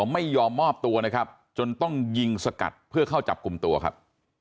ไม่ยอมมอบตัวนะครับจนต้องยิงสกัดเพื่อเข้าจับกลุ่มตัวครับ